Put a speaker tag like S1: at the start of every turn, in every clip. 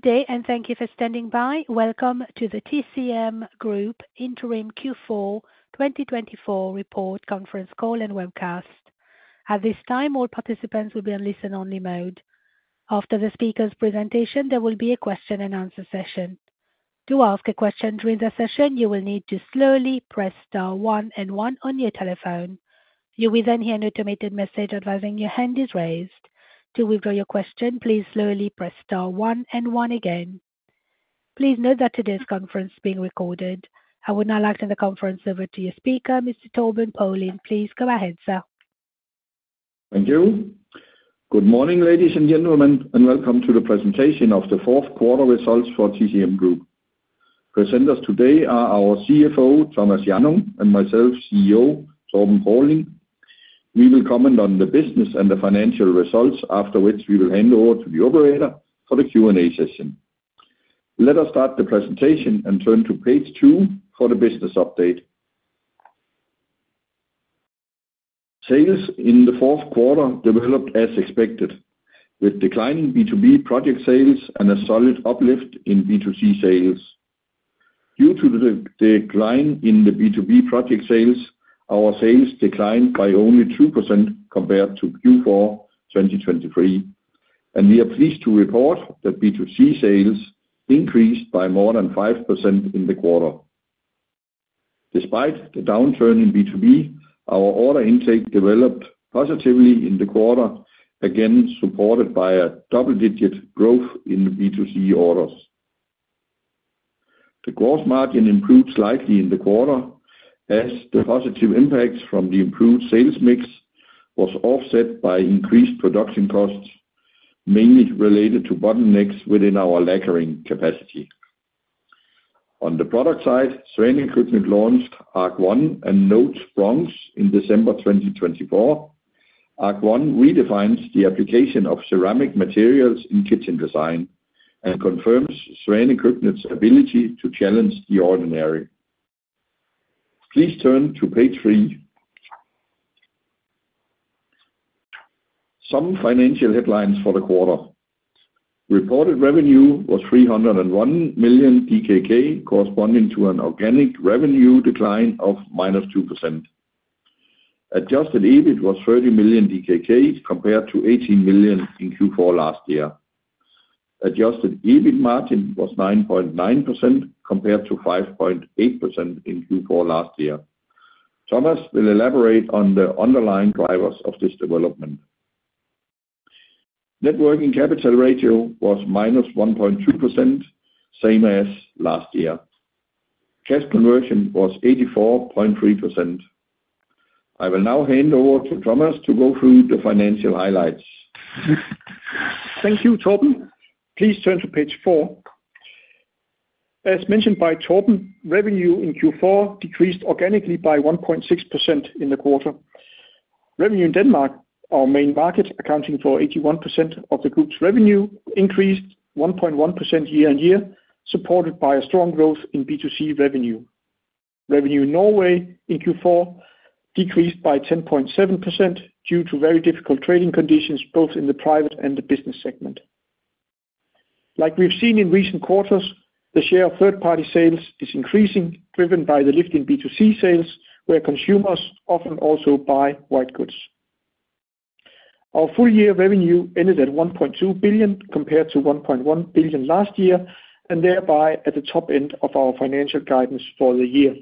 S1: Good day, and thank you for standing by. Welcome to the TCM Group Interim Q4 2024 report conference call and webcast. At this time, all participants will be on listen-only mode. After the speaker's presentation, there will be a question-and-answer session. To ask a question during the session, you will need to slowly press star one and one on your telephone. You will then hear an automated message advising your hand is raised. To withdraw your question, please slowly press star one and one again. Please note that today's conference is being recorded. I will now lecture the conference over to your speaker, Mr. Torben Paulin. Please go ahead, sir.
S2: Thank you. Good morning, ladies and gentlemen, and welcome to the presentation of the fourth quarter results for TCM Group. Presenters today are our CFO, Thomas Hjørring, and myself, CEO, Torben Paulin. We will comment on the business and the financial results, after which we will hand over to the operator for the Q&A session. Let us start the presentation and turn to page two for the business update. Sales in the fourth quarter developed as expected, with declining B2B project sales and a solid uplift in B2C sales. Due to the decline in the B2B project sales, our sales declined by only 2% compared to Q4 2023, and we are pleased to report that B2C sales increased by more than 5% in the quarter. Despite the downturn in B2B, our order intake developed positively in the quarter, again supported by a double-digit growth in B2C orders. The gross margin improved slightly in the quarter, as the positive impact from the improved sales mix was offset by increased production costs, mainly related to bottlenecks within our lecture capacity. On the product side, launched Svane Køkkenet and NOTES Bronze in December 2024. ARC1 redefines the application of ceramic materials in kitchen design and confirms Svanekækken's ability to challenge the ordinary. Please turn to page three. Some financial headlines for the quarter. Reported revenue was 301 million DKK, corresponding to an organic revenue decline of -2%. Adjusted EBIT was 30 million DKK compared to 18 million in Q4 last year. Adjusted EBIT margin was 9.9% compared to 5.8% in Q4 last year. Thomas will elaborate on the underlying drivers of this development. Networking capital ratio was -1.2%, same as last year. Cash conversion was 84.3%. I will now hand over to Thomas to go through the financial highlights.
S3: Thank you, Torben. Please turn to page four. As mentioned by Torben, revenue in Q4 decreased organically by 1.6% in the quarter. Revenue in Denmark, our main market, accounting for 81% of the group's revenue, increased 1.1% year-on-year, supported by a strong growth in B2C revenue. Revenue in Norway in Q4 decreased by 10.7% due to very difficult trading conditions, both in the private and the business segment. Like we've seen in recent quarters, the share of third-party sales is increasing, driven by the lift in B2C sales, where consumers often also buy white goods. Our full-year revenue ended at 1.2 billion compared to 1.1 billion last year, and thereby at the top end of our financial guidance for the year.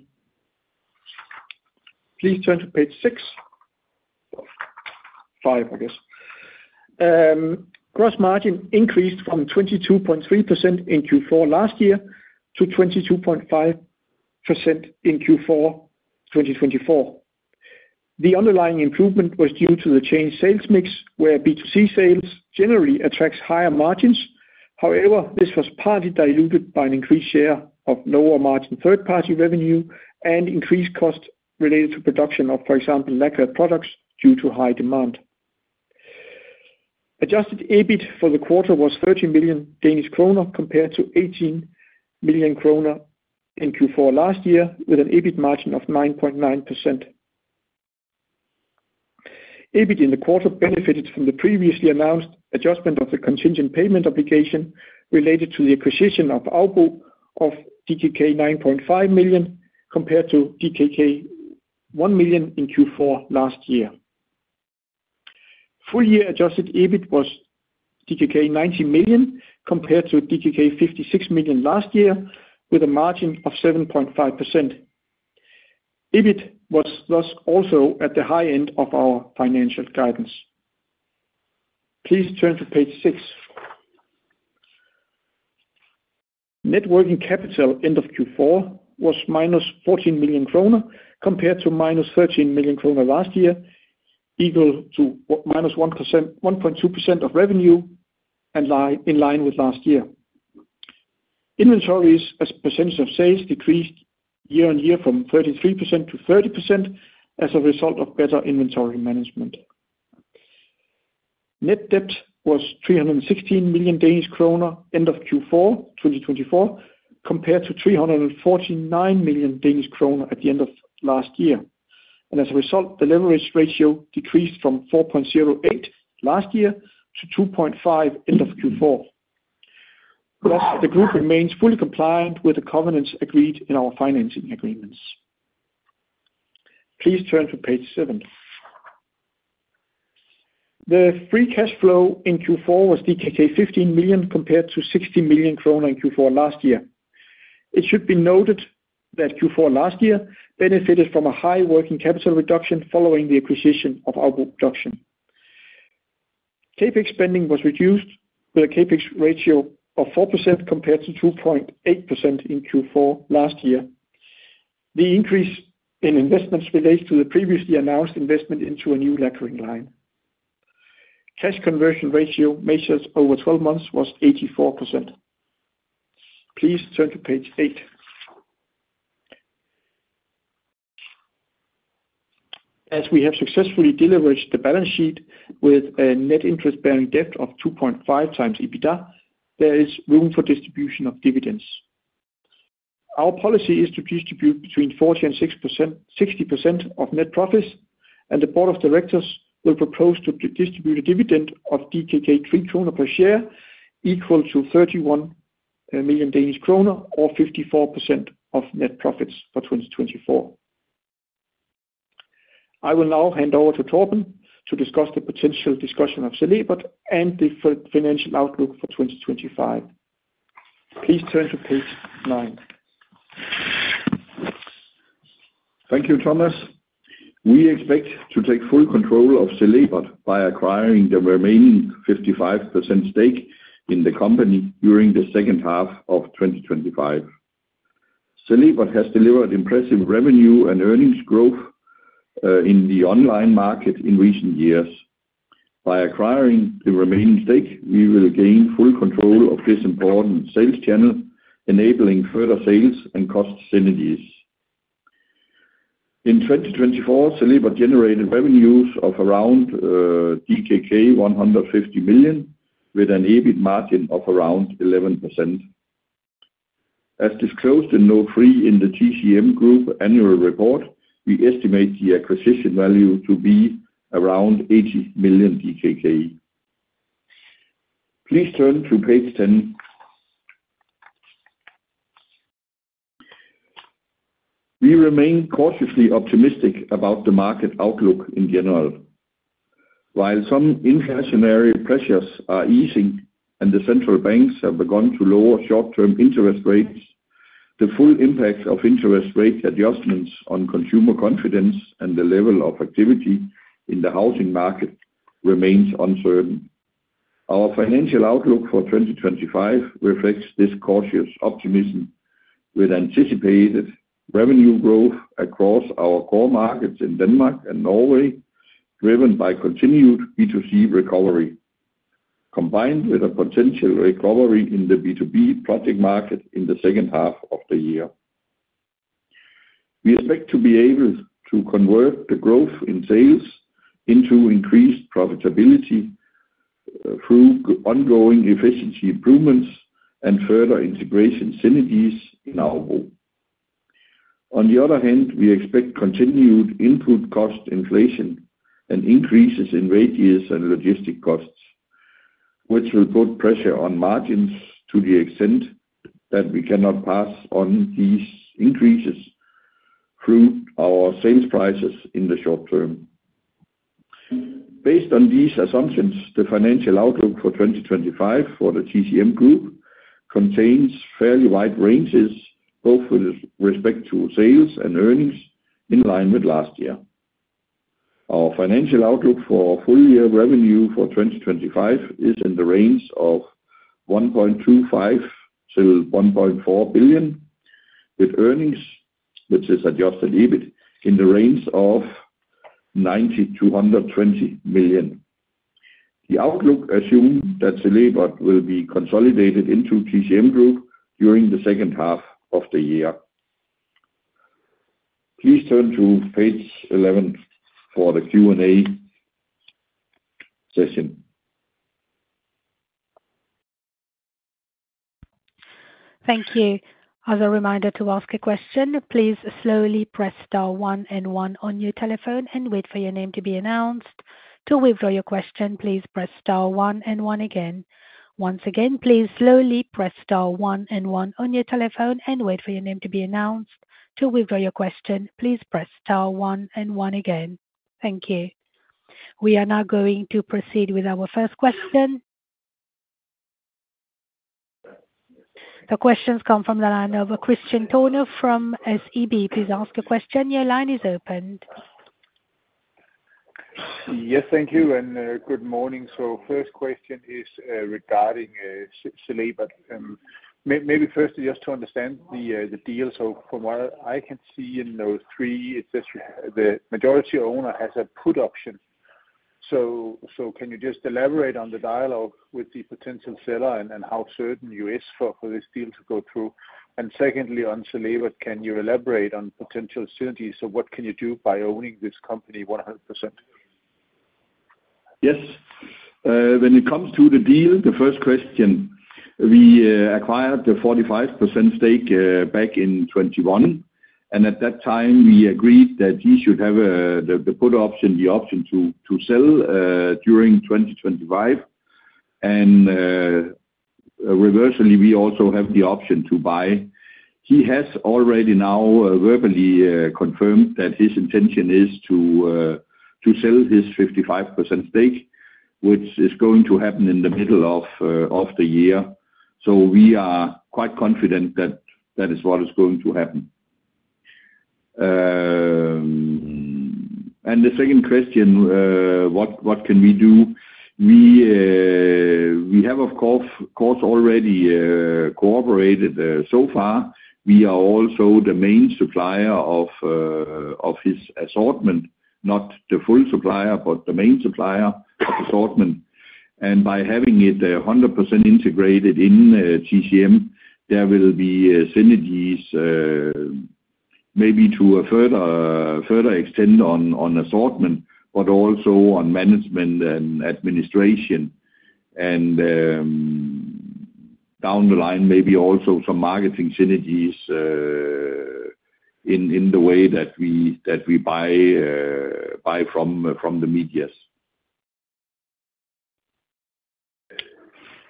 S3: Please turn to page six. Five, I guess. Gross margin increased from 22.3% in Q4 last year to 22.5% in Q4 2024. The underlying improvement was due to the changed sales mix, where B2C sales generally attract higher margins. However, this was partly diluted by an increased share of lower-margin third-party revenue and increased costs related to production of, for example, lecture products due to high demand. Adjusted EBIT for the quarter was 30 million Danish kroner compared to 18 million kroner in Q4 last year, with an EBIT margin of 9.9%. EBIT in the quarter benefited from the previously announced adjustment of the contingent payment obligation related to the acquisition of AUBO of DKK 9.5 million compared to DKK 1 million in Q4 last year. Full-year adjusted EBIT was DKK 90 million compared to DKK 56 million last year, with a margin of 7.5%. EBIT was thus also at the high end of our financial guidance. Please turn to page six. Networking capital end of Q4 was -14 million kroner compared to -13 million kroner last year, equal to -1.2% of revenue, in line with last year. Inventories as percentage of sales decreased year-on-year from 33%-30% as a result of better inventory management. Net debt was 316 million Danish kroner end of Q4 2024 compared to 349 million Danish kroner at the end of last year. As a result, the leverage ratio decreased from 4.08 last year to 2.5 end of Q4. Thus, the group remains fully compliant with the covenants agreed in our financing agreements. Please turn to page seven. The free cash flow in Q4 was DKK 15 million compared to 60 million kroner in Q4 last year. It should be noted that Q4 last year benefited from a high working capital reduction following the acquisition of AUBO production. CapEx spending was reduced with a CapEx ratio of 4% compared to 2.8% in Q4 last year. The increase in investments relates to the previously announced investment into a new lecture line. Cash conversion ratio measured over 12 months was 84%. Please turn to page eight. As we have successfully delevered the balance sheet with a net interest-bearing debt of 2.5x EBITDA, there is room for distribution of dividends. Our policy is to distribute between 40% and 60% of net profits, and the board of directors will propose to distribute a dividend of 3 kroner per share, equal to 31 million Danish kroner, or 54% of net profits for 2024. I will now hand over to Torben to discuss the potential discussion of Celrbert and the financial outlook for 2025. Please turn to page nine.
S2: Thank you, Thomas. We expect to take full control of Celrbert by acquiring the remaining 55% stake in the company during the second half of 2025. Celrbert has delivered impressive revenue and earnings growth in the online market in recent years. By acquiring the remaining stake, we will gain full control of this important sales channel, enabling further sales and cost synergies. In 2024, Celrbert generated revenues of around DKK 150 million, with an EBIT margin of around 11%. As disclosed in note three in the TCM Group annual report, we estimate the acquisition value to be around 80 million DKK. Please turn to page ten. We remain cautiously optimistic about the market outlook in general. While some inflationary pressures are easing and the central banks have begun to lower short-term interest rates, the full impact of interest rate adjustments on consumer confidence and the level of activity in the housing market remains uncertain. Our financial outlook for 2025 reflects this cautious optimism, with anticipated revenue growth across our core markets in Denmark and Norway, driven by continued B2C recovery, combined with a potential recovery in the B2B project market in the second half of the year. We expect to be able to convert the growth in sales into increased profitability through ongoing efficiency improvements and further integration synergies in AUBO. On the other hand, we expect continued input cost inflation and increases in radius and logistic costs, which will put pressure on margins to the extent that we cannot pass on these increases through our sales prices in the short term. Based on these assumptions, the financial outlook for 2025 for the TCM Group contains fairly wide ranges, both with respect to sales and earnings, in line with last year. Our financial outlook for full-year revenue for 2025 is in the range of 1.25 billion-1.4 billion, with earnings, which is adjusted EBIT, in the range of 90 million-120 million. The outlook assumes that Celrbert will be consolidated into TCM Group during the second half of the year. Please turn to page 11 for the Q&A session.
S1: Thank you. As a reminder to ask a question, please slowly press star one and one on your telephone and wait for your name to be announced. To withdraw your question, please press star one and one again. Once again, please slowly press star one and one on your telephone and wait for your name to be announced. To withdraw your question, please press star one and one again. Thank you. We are now going to proceed with our first question. The questions come from the line of Kristian Tornøe from SEB. Please ask a question. Your line is opened.
S4: Yes, thank you. Good morning. First question is regarding Celrbert. Maybe first, just to understand the deal. From what I can see in those three, it says the majority owner has a put option. Can you just elaborate on the dialogue with the potential seller and how certain you are for this deal to go through? Secondly, on Celrbert, can you elaborate on potential synergies? What can you do by owning this company 100%?
S2: Yes. When it comes to the deal, the first question, we acquired the 45% stake back in 2021. At that time, we agreed that he should have the put option, the option to sell during 2025. Reversely, we also have the option to buy. He has already now verbally confirmed that his intention is to sell his 55% stake, which is going to happen in the middle of the year. We are quite confident that that is what is going to happen. The second question, what can we do? We have, of course, already cooperated so far. We are also the main supplier of his assortment, not the full supplier, but the main supplier of assortment. By having it 100% integrated in TCM Group, there will be synergies, maybe to a further extent on assortment, but also on management and administration. Down the line, maybe also some marketing synergies in the way that we buy from the medias.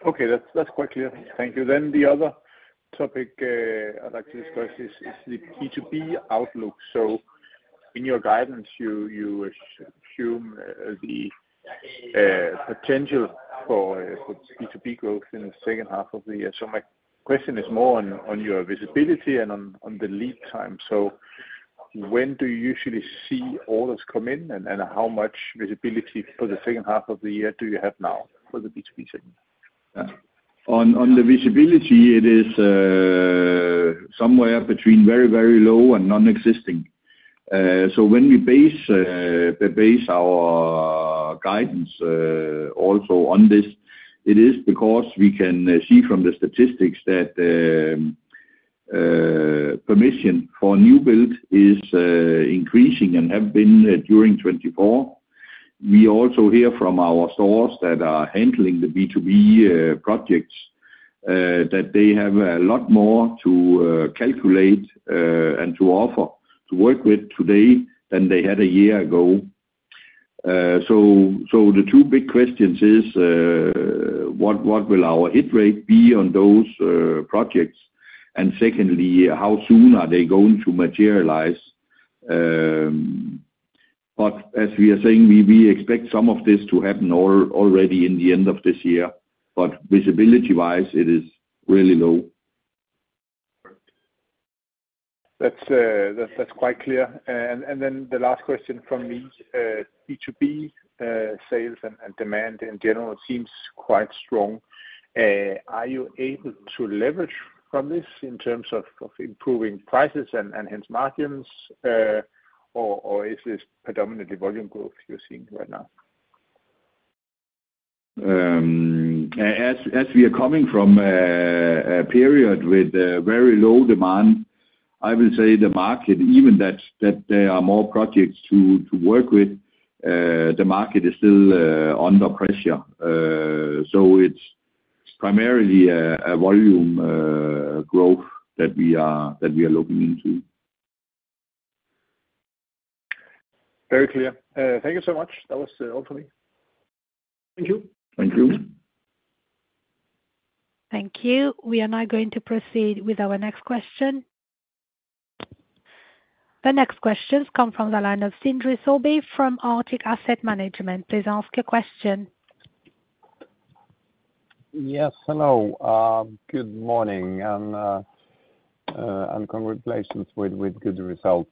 S4: Okay. That's quite clear. Thank you. The other topic I'd like to discuss is the B2B outlook. In your guidance, you assume the potential for B2B growth in the second half of the year. My question is more on your visibility and on the lead time. When do you usually see orders come in, and how much visibility for the second half of the year do you have now for the B2B segment?
S2: On the visibility, it is somewhere between very, very low and non-existing. When we base our guidance also on this, it is because we can see from the statistics that permission for new build is increasing and has been during 2024. We also hear from our stores that are handling the B2B projects that they have a lot more to calculate and to offer to work with today than they had a year ago. The two big questions are: what will our hit rate be on those projects? Secondly, how soon are they going to materialize? As we are saying, we expect some of this to happen already in the end of this year. Visibility-wise, it is really low.
S4: That's quite clear. The last question from me. B2B sales and demand in general seems quite strong. Are you able to leverage from this in terms of improving prices and hence margins, or is this predominantly volume growth you're seeing right now?
S2: As we are coming from a period with very low demand, I will say the market, even that there are more projects to work with, the market is still under pressure. It is primarily a volume growth that we are looking into.
S4: Very clear. Thank you so much. That was all for me.
S2: Thank you.
S4: Thank you.
S1: Thank you. We are now going to proceed with our next question. The next questions come from the line of Sindre Sørbye from Arctic Asset Management. Please ask a question.
S5: Yes. Hello. Good morning. Congratulations with good results.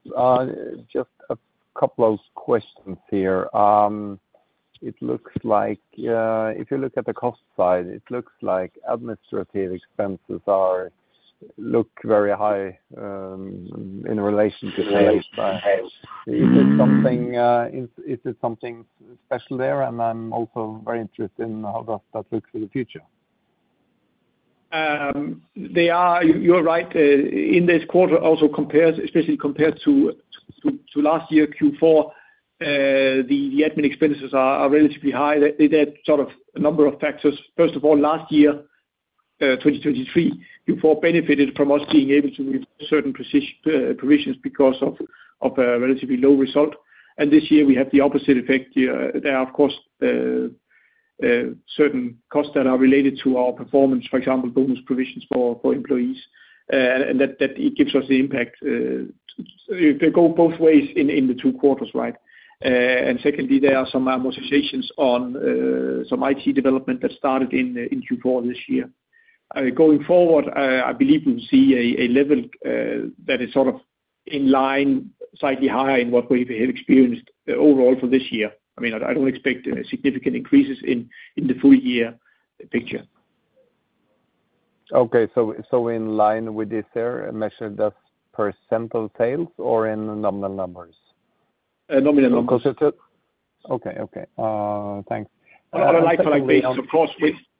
S5: Just a couple of questions here. It looks like if you look at the cost side, it looks like administrative expenses look very high in relation to sales. Is it something special there? I am also very interested in how does that look for the future?
S3: You're right. In this quarter, also compared, especially compared to last year, Q4, the admin expenses are relatively high. There are sort of a number of factors. First of all, last year, 2023, Q4 benefited from us being able to reach certain provisions because of a relatively low result. This year, we have the opposite effect. There are, of course, certain costs that are related to our performance, for example, bonus provisions for employees. That gives us the impact. They go both ways in the two quarters, right? Secondly, there are some amortizations on some IT development that started in Q4 this year. Going forward, I believe we'll see a level that is sort of in line, slightly higher in what we have experienced overall for this year. I mean, I don't expect significant increases in the full-year picture.
S5: Okay. In line with this there, measured as percent of sales or in nominal numbers?
S3: Nominal numbers.
S5: Okay. Okay. Thanks.
S3: On a like-for-like basis, of course.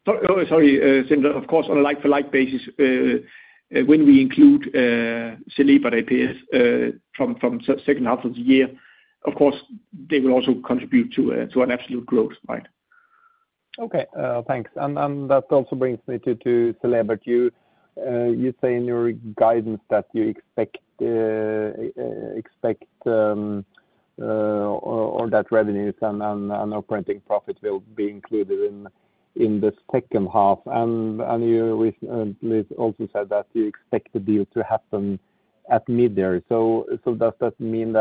S3: Sorry. Of course, on a like-for-like basis, when we include Celrbert ApS from the second half of the year, of course, they will also contribute to an absolute growth, right?
S5: Okay. Thanks. That also brings me to Celrbert. You say in your guidance that you expect that revenues and operating profit will be included in the second half. You also said that you expect the deal to happen at midyear. Does that mean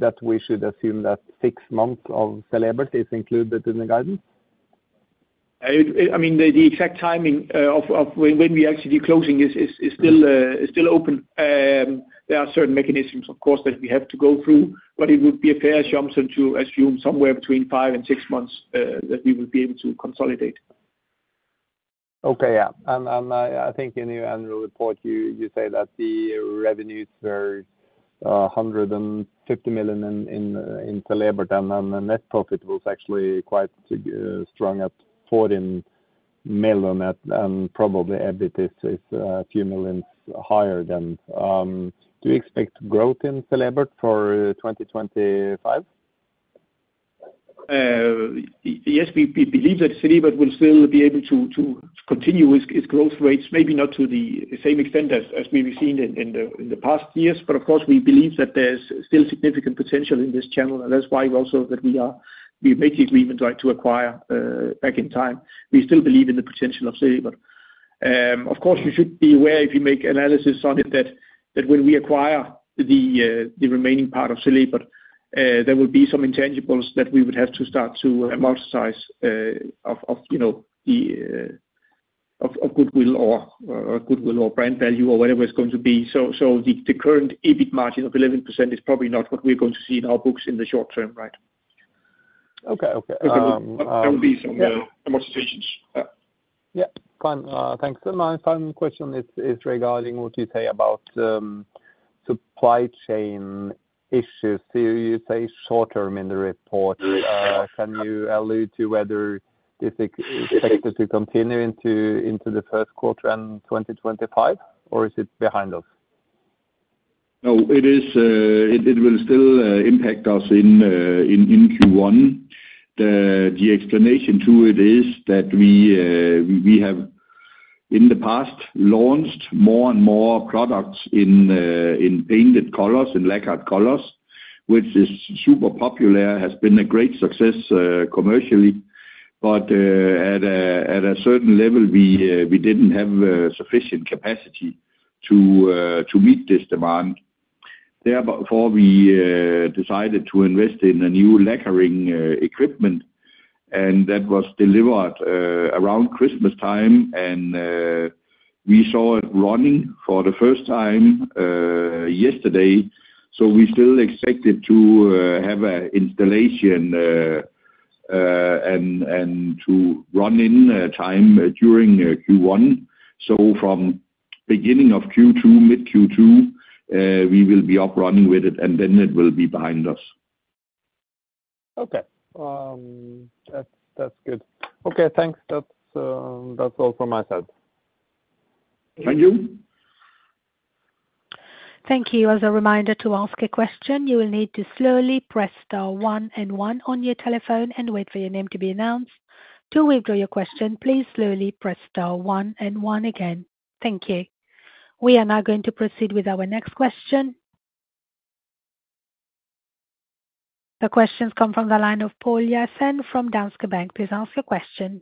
S5: that we should assume that six months of Celrbert is included in the guidance?
S3: I mean, the exact timing of when we actually do closing is still open. There are certain mechanisms, of course, that we have to go through, but it would be a fair assumption to assume somewhere between five and six months that we would be able to consolidate.
S5: Okay. Yeah. I think in your annual report, you say that the revenues were 150 million in Celrbert, and the net profit was actually quite strong at 14 million, and probably EBIT is a few millions higher then. Do you expect growth in Celrbert for 2025?
S3: Yes. We believe that Celrbert will still be able to continue its growth rates, maybe not to the same extent as we've seen in the past years. Of course, we believe that there's still significant potential in this channel. That is why also that we made the agreement to acquire back in time. We still believe in the potential of Celrbert. Of course, you should be aware, if you make analysis on it, that when we acquire the remaining part of Celrbert, there will be some intangibles that we would have to start to amortize, of goodwill or brand value or whatever it's going to be. The current EBIT margin of 11% is probably not what we're going to see in our books in the short term, right?
S5: Okay. Okay.
S3: There will be some amortizations.
S5: Yeah. Fine. Thanks. My final question is regarding what you say about supply chain issues. You say short term in the report. Can you allude to whether this is expected to continue into the first quarter and 2025, or is it behind us?
S2: No, it will still impact us in Q1. The explanation to it is that we have, in the past, launched more and more products in painted colors, in lacquered colors, which is super popular, has been a great success commercially. At a certain level, we did not have sufficient capacity to meet this demand. Therefore, we decided to invest in new lacquering equipment, and that was delivered around Christmas time. We saw it running for the first time yesterday. We still expect to have an installation and to run in time during Q1. From the beginning of Q2, mid-Q2, we will be up running with it, and then it will be behind us.
S5: Okay. That's good. Okay. Thanks. That's all from my side.
S2: Thank you.
S1: Thank you. As a reminder to ask a question, you will need to slowly press star one and one on your telephone and wait for your name to be announced. To withdraw your question, please slowly press star one and one again. Thank you. We are now going to proceed with our next question. The questions come from the line of Paul Yassen from Danske Bank. Please ask your question.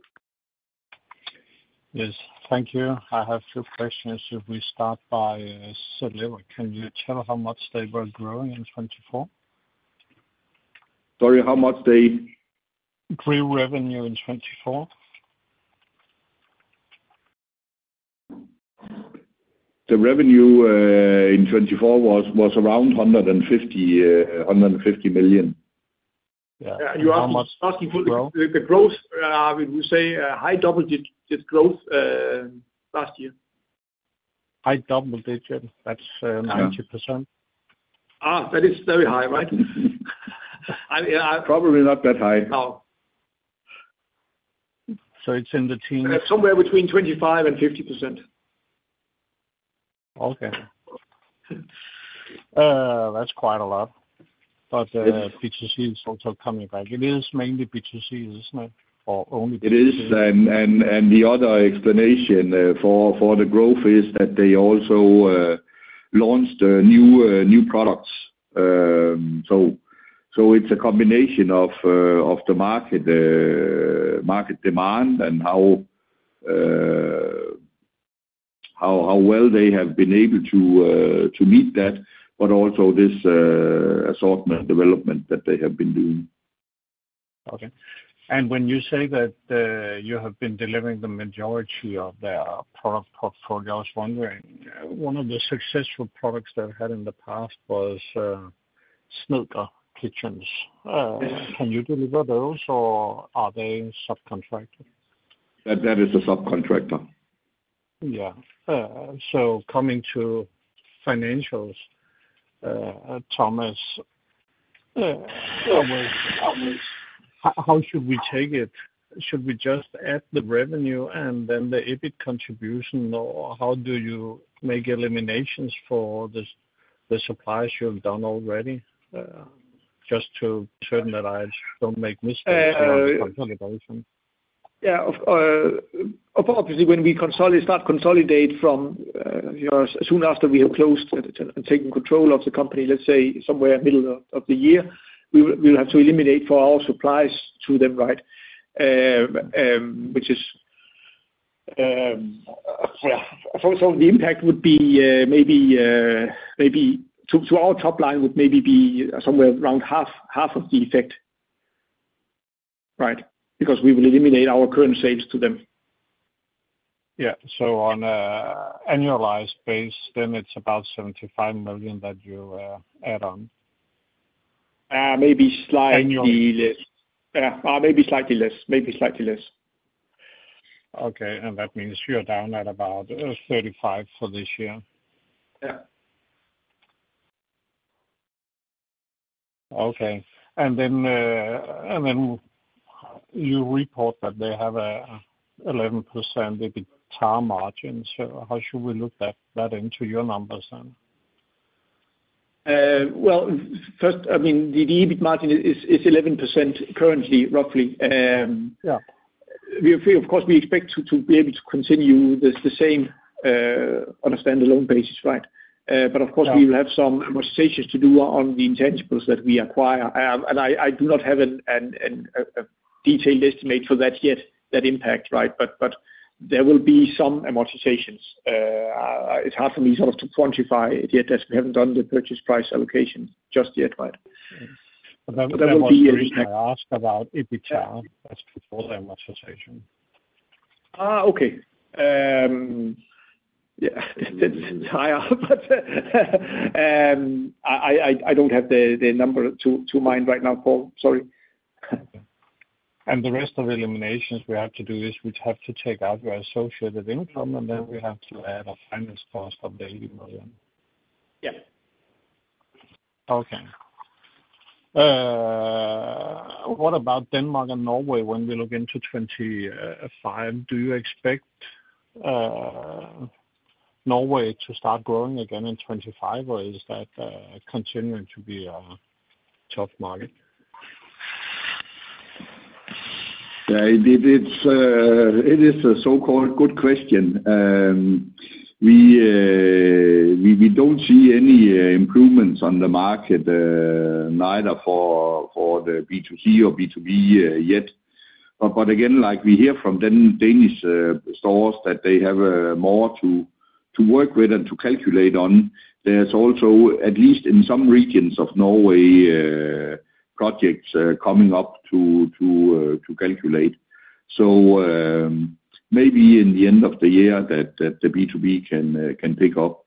S6: Yes. Thank you. I have two questions. If we start by Celrbert, can you tell how much they were growing in 2024?
S2: Sorry. How much they?
S6: Gross revenue in 2024?
S2: The revenue in 2024 was around DKK 150 million.
S6: Yeah. You asked me the growth. We see a high double-digit growth last year. High double-digit. That's 90%?
S2: That is very high, right? Probably not that high.
S6: No. It's in the teens?
S4: Somewhere between 25% and 50%.
S6: Okay. That's quite a lot. P2C is also coming back. It is mainly P2C, isn't it? Or only P2C?
S2: It is. The other explanation for the growth is that they also launched new products. It is a combination of the market demand and how well they have been able to meet that, but also this assortment development that they have been doing.
S6: Okay. When you say that you have been delivering the majority of their product portfolios, I was wondering, one of the successful products they've had in the past was Smeg Kitchens. Can you deliver those, or are they subcontracted?
S2: That is a subcontractor.
S6: Yeah. Coming to financials, Thomas, how should we take it? Should we just add the revenue and then the EBIT contribution, or how do you make eliminations for the supplies you've done already just to be certain that I don't make mistakes in the consolidation?
S3: Yeah. Obviously, when we start consolidating as soon after we have closed and taken control of the company, let's say somewhere in the middle of the year, we will have to eliminate for our supplies to them, right? Which is, yeah, so the impact would be maybe to our top line would maybe be somewhere around half of the effect, right? Because we will eliminate our current sales to them.
S6: Yeah. On an annualized base, then it's about 75 million that you add on?
S3: Maybe slightly less.
S6: Annual.
S3: Yeah. Maybe slightly less. Maybe slightly less.
S6: Okay. That means you're down at about 35 for this year.
S3: Yeah.
S6: Okay. You report that they have an 11% EBIT margin. How should we look at that into your numbers then?
S3: The EBIT margin is 11% currently, roughly. Of course, we expect to be able to continue the same on a standalone basis, right? Of course, we will have some amortizations to do on the intangibles that we acquire. I do not have a detailed estimate for that yet, that impact, right? There will be some amortizations. It is hard for me sort of to quantify it yet as we have not done the purchase price allocation just yet, right?
S6: Okay. What I was going to ask about EBITDA, that's before the amortization.
S3: Okay. Yeah. That's higher, but I don't have the number to mind right now, Paul. Sorry.
S6: The rest of the eliminations we have to do is we have to take out your associated income, and then we have to add a finance cost of 80 million.
S3: Yeah.
S6: Okay. What about Denmark and Norway when we look into 2025? Do you expect Norway to start growing again in 2025, or is that continuing to be a tough market?
S2: It is a so-called good question. We do not see any improvements on the market, neither for the B2C or B2B yet. Again, like we hear from Danish stores that they have more to work with and to calculate on, there is also, at least in some regions of Norway, projects coming up to calculate. Maybe in the end of the year the B2B can pick up.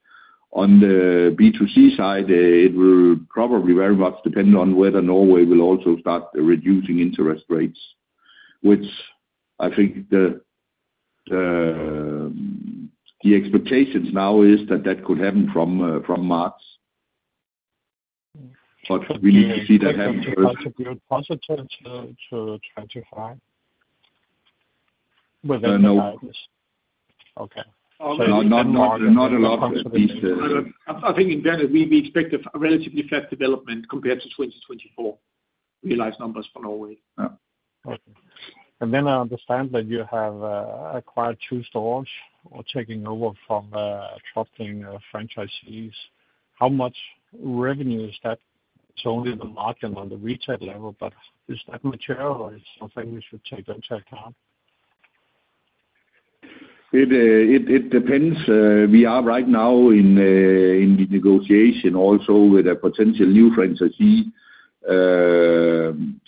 S2: On the B2C side, it will probably very much depend on whether Norway will also start reducing interest rates, which I think the expectations now is that that could happen from March. We need to see that happen first.
S6: Is it going to be a positive to 2025? Within the markets?
S3: No.
S6: Okay.
S2: Not a lot of these.
S3: I think in general, we expect a relatively fast development compared to 2024 realized numbers for Norway.
S6: Yeah. Okay. I understand that you have acquired two stores or taking over from trusting franchisees. How much revenue is that? It's only the margin on the retail level, but is that material, or is it something we should take into account?
S2: It depends. We are right now in the negotiation also with a potential new franchisee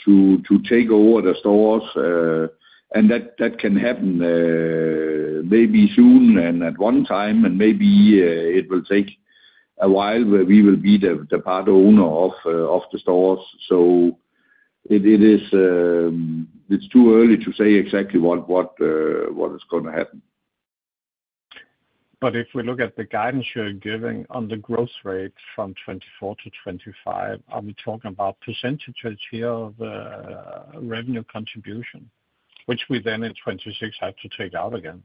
S2: to take over the stores. That can happen maybe soon and at one time, and maybe it will take a while where we will be the part owner of the stores. It is too early to say exactly what is going to happen.
S6: If we look at the guidance you're giving on the growth rate from 2024 to 2025, are we talking about percentage here of the revenue contribution, which we then in 2026 have to take out again?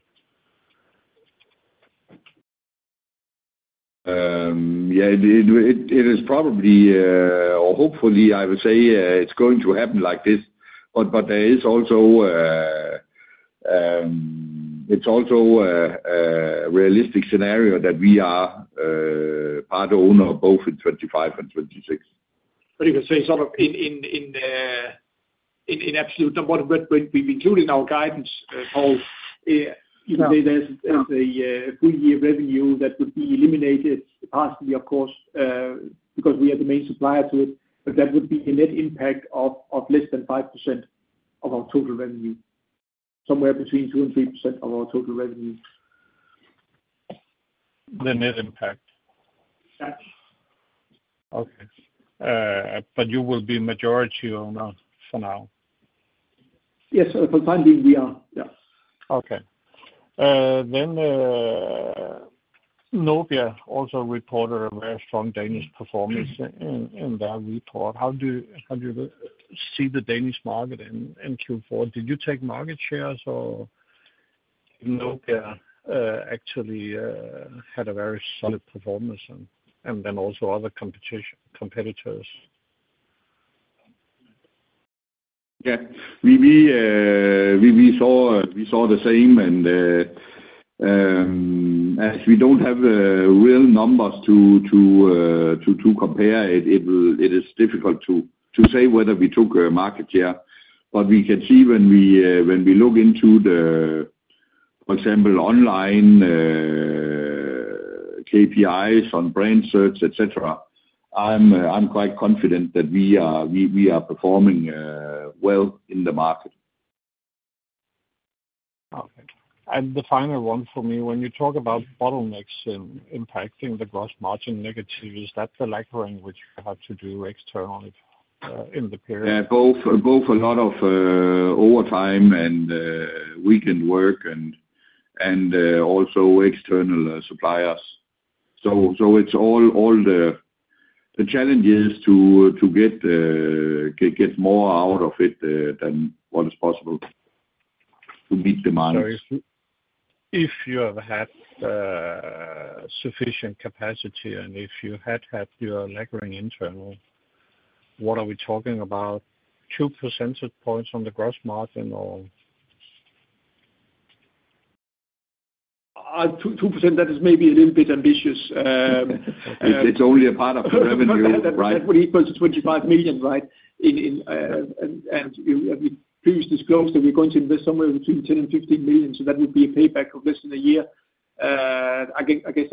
S2: Yeah. It is probably, or hopefully, I would say it's going to happen like this. It is also a realistic scenario that we are part owner both in 2025 and 2026.
S3: You can say sort of in absolute number, but we've included our guidance, Paul. You can say there's a three-year revenue that would be eliminated partially, of course, because we are the main supplier to it, but that would be a net impact of less than 5% of our total revenue. Somewhere between 2%-3% of our total revenue.
S6: The net impact.
S3: Yeah.
S6: Okay. You will be majority owner for now?
S3: Yes. For the time being, we are. Yeah.
S6: Okay. Then Nobia also reported a very strong Danish performance in their report. How do you see the Danish market in Q4? Did you take market shares, or Nobia actually had a very solid performance and then also other competitors?
S2: Yeah. We saw the same. As we do not have real numbers to compare, it is difficult to say whether we took market share. We can see when we look into, for example, online KPIs on brand search, etc., I am quite confident that we are performing well in the market.
S6: Okay. The final one for me, when you talk about bottlenecks impacting the gross margin negative, is that the lacquering which you have to do externally in the period?
S2: Both a lot of overtime and weekend work and also external suppliers. It is all the challenges to get more out of it than what is possible to meet demand.
S6: If you have had sufficient capacity and if you had had your lacquering internal, what are we talking about? 2 percentage points on the gross margin, or?
S3: 2%, that is maybe a little bit ambitious.
S2: It's only a part of the revenue, right?
S3: That would equal to 25 million, right? We previously disclosed that we're going to invest somewhere between 10 million and 15 million. That would be a payback of less than a year. I guess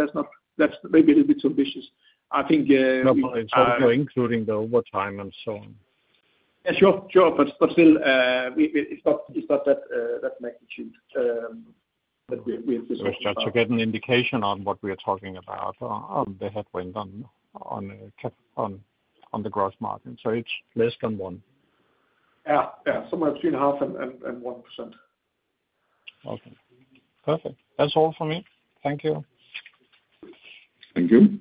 S3: that's maybe a little bit too ambitious. I think.
S6: No, it's also including the overtime and so on.
S3: Yeah. Sure. Sure. It is not that magnitude that we anticipated.
S2: Just to get an indication on what we are talking about. They had went on the gross margin. So it's less than one.
S3: Yeah. Yeah. Somewhere between half and 1%.
S6: Okay. Perfect. That's all for me. Thank you.
S2: Thank you.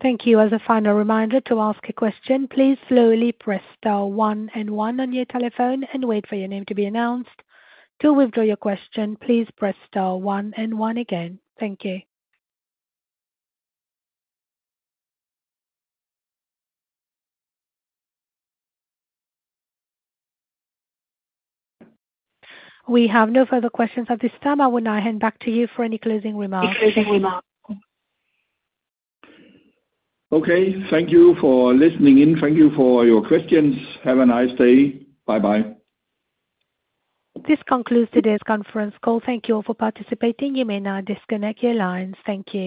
S1: Thank you. As a final reminder to ask a question, please slowly press star one and one on your telephone and wait for your name to be announced. To withdraw your question, please press star one and one again. Thank you. We have no further questions at this time. I will now hand back to you for any closing remarks. Closing remark.
S2: Okay. Thank you for listening in. Thank you for your questions. Have a nice day. Bye-bye.
S1: This concludes today's conference call. Thank you all for participating. You may now disconnect your lines. Thank you.